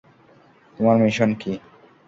তোমার মিশন কি?